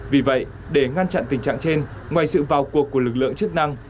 vì vậy để ngăn chặn tình trạng trên ngoài sự vào cuộc của lực lượng chức năng